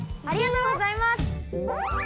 ありがとうございます！